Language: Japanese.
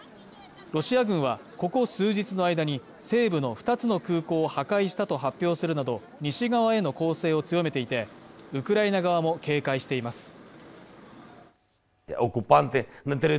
ロシア軍は、ここ数日の間に西部の２つの空港を破壊したと発表するなど西側への攻勢を強めていて、ウクライナ側も警戒しています。